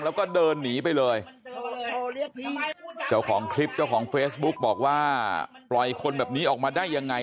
แล้วก็เดินหนีไปเลยเจ้าของคลิปเจ้าของเฟซบุ๊กบอกว่าปล่อยคนแบบนี้ออกมาได้ยังไง